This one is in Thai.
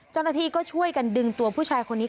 เจ้าหน้าที่ก็ช่วยกันดึงตัวผู้ชายคนนี้